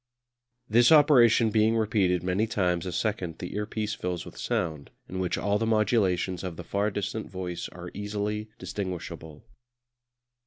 This operation being repeated many times a second the earpiece fills with sound, in which all the modulations of the far distant voice are easily distinguishable.